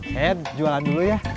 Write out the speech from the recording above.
saya jualan dulu ya